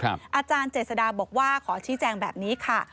อาจารย์เจษฎาบอกว่าขอชี้แจงแบบนี้ค่ะ